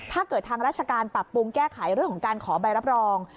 ถ้าเกิดทางราชการปรับปรุงแก้ไขเรื่องของการขอใบรับรอง